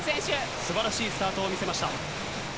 素晴らしいスタートを見せました。